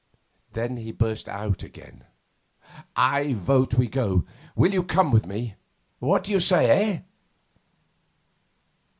Then he burst out again, 'I vote we go. Will you come with me? What d'you say. Eh?